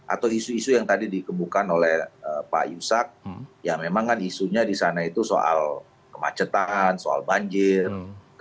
atau isu isu yang tadi dikebukan oleh pak yusak ya memang kan isunya di sana itu soal kemacetan soal banjir